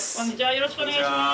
よろしくお願いします。